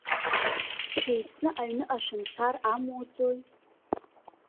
Шәеицны аҩныҟа шәымцар амуӡои?